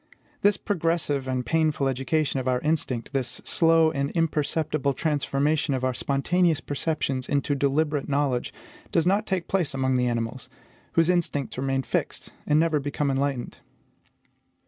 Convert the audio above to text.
This progressive and painful education of our instinct, this slow and imperceptible transformation of our spontaneous perceptions into deliberate knowledge, does not take place among the animals, whose instincts remain fixed, and never become enlightened.